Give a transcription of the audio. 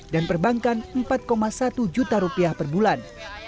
dan perbankan empat satu juta rupiah per bulan